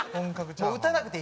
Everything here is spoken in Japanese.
もう打たなくていい。